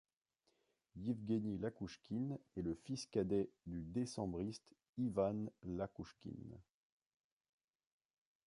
Evgueni Iakouchkine est le fils cadet du décembriste Ivan Iakouchkine.